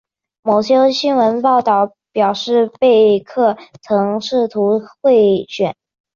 某些新闻报道表示贝克曾试图贿选。